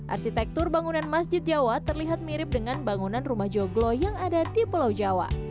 arsitektur bangunan masjid jawa terlihat mirip dengan bangunan rumah joglo yang ada di pulau jawa